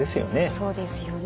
そうですよね。